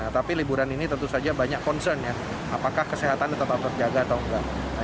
tapi liburan ini tentu saja banyak concern ya apakah kesehatan tetap terjaga atau enggak